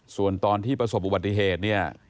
ส่วนตอนที่ประสบอุบัติเหตุเนี่ย